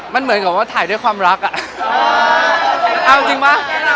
มันเหมือนกับว่าถ่ายด้วยความรักอ่ะเอาจริงป่ะ